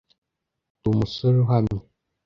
ndi umusore uhamye